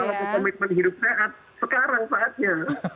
kalau komitmen hidup sehat sekarang saatnya